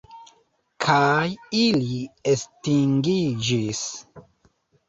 Kaj ili estingiĝis.